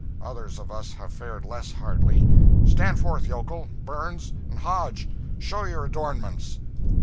Others of us have fared less hardly. Stand forth, Yokel, Burns, and Hodge show your adornments!"